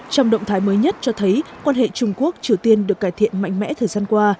trong động thái mới nhất cho thấy quan hệ trung quốc triều tiên được cải thiện mạnh mẽ thời gian qua